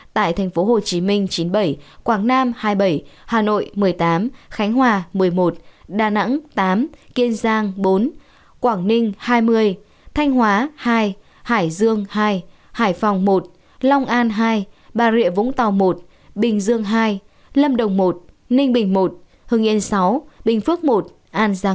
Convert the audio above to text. tại thành phố hồ chí minh chín mươi bảy quảng nam hai mươi bảy hà nội một mươi tám khánh hòa một mươi một đà nẵng tám kiên giang bốn quảng ninh hai mươi thanh hóa hai hải dương hai hải phòng một long an hai bà rịa vũng tàu một bình dương hai lâm đồng một ninh bình một hưng yên sáu bình phước một an giang một